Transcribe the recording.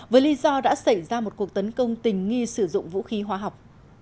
với lý do đã xảy ra một cuộc tấn công tình nghi sử dụng vũ khí hóa học